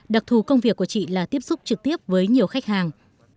đặc thù công việc của chị là tiếp xúc trực tiếp với nhiều khách hàng